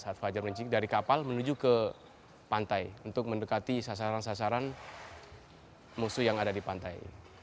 saat fajar rinci dari kapal menuju ke pantai untuk mendekati sasaran sasaran musuh yang ada di pantai